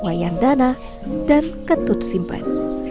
wayang dana dan ketut simpan